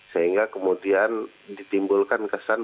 sehingga kemudian ditimbulkan kesan